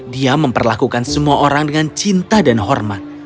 dia memperlakukan semua orang dengan cinta dan hormat